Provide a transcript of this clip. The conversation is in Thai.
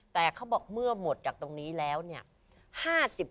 แต่เขาบอกเมื่อหมดจากตรงนี้แล้วเนี่ย